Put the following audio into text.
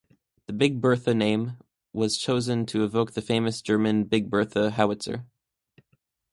The Big Bertha name was chosen to evoke the famous German Big Bertha howitzer.